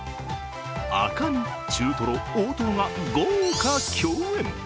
赤身、中トロ、大トロが豪華競演。